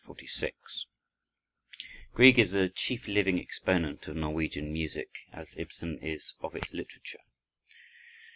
46 Grieg is the chief living exponent of Norwegian music, as Ibsen is of its literature.